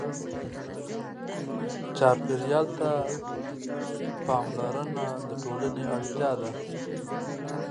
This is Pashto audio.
چاپېریال ته پاملرنه د ټولنې اړتیا ده.